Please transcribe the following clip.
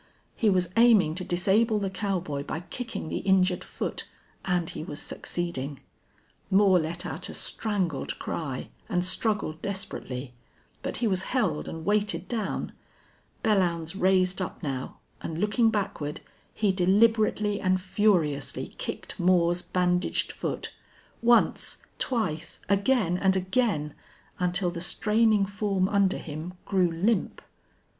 He was aiming to disable the cowboy by kicking the injured foot. And he was succeeding. Moore let out a strangled cry, and struggled desperately. But he was held and weighted down. Belllounds raised up now and, looking backward, he deliberately and furiously kicked Moore's bandaged foot; once, twice, again and again, until the straining form under him grew limp.